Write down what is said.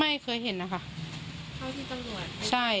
ไม่เคยเห็นค่ะ